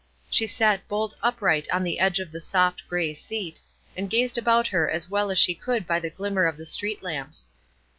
She sat bolt upright on the edge of the soft, gray seat, and gazed about her as well as she could by the glimmer of the street lamps.